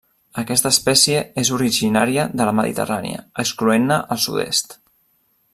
Aquesta espècie és originària de la Mediterrània, excloent-ne el sud-est.